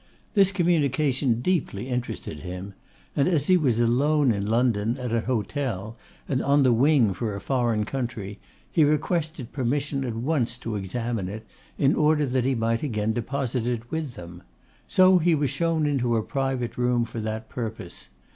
This communication deeply interested him; and as he was alone in London, at an hotel, and on the wing for a foreign country, he requested permission at once to examine it, in order that he might again deposit it with them: so he was shown into a private room for that purpose.